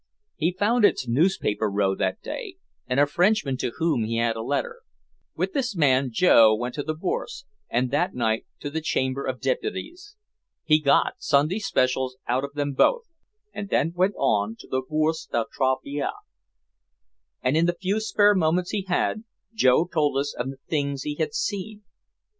He found its "newspaper row" that day and a Frenchman to whom he had a letter. With this man Joe went to the Bourse and that night to the Chamber of Deputies. He got "Sunday specials" out of them both, and then went on to the Bourse de Travail. And in the few spare moments he had, Joe told us of the things he had seen.